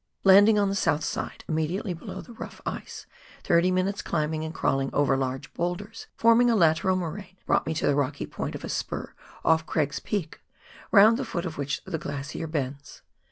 Landing on the south side, immediately below the rough ice, thirty minutes' climbing and crawling over large boulders, form ing a lateral moraine, brought me to the rocky point of a spur off Craig's Peak, round the foot of which the glacier bends.